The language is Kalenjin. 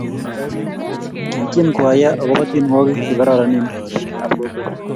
Kitien kwaya akobo tienwokik che kororon eng biik ab kokwet